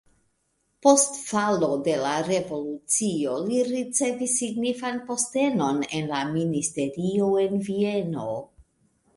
Post falo de la revolucio li ricevis signifan postenon en la ministerio en Vieno.